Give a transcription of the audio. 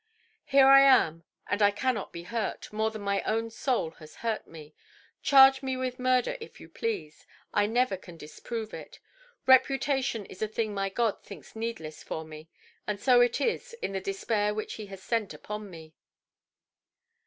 "Here I am, and cannot be hurt, more than my own soul has hurt me. Charge me with murder if you please, I never can disprove it. Reputation is a thing my God thinks needless for me; and so it is, in the despair which He has sent upon me".